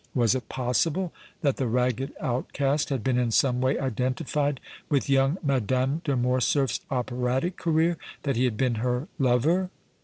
Was it possible that the ragged outcast had been in some way identified with young Madame de Morcerf's operatic career, that he had been her lover?